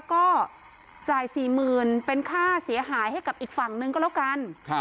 ก็จ่าย๔๐๐๐เป็นค่าเสียหายให้กับอีกฝั่งนึงก็แล้วกัน